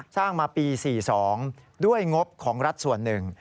สร้างมาปี๔๒ด้วยงบของรัฐส่วนหนึ่ง